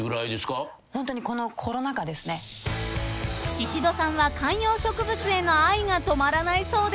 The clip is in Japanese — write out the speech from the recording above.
［シシドさんは観葉植物への愛が止まらないそうで］